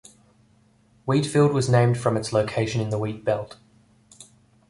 Wheatfield was named from its location in the Wheat Belt.